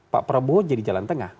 pak prabowo jadi jalan tengah